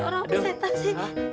orang apa setan sih